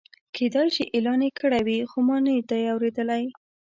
کېدای شي اعلان یې کړی وي خو ما نه دی اورېدلی.